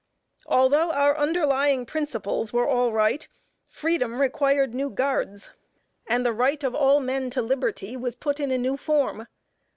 Although our underlying principles were all right, freedom required new guards, and the right of all men to liberty, was put in a new form.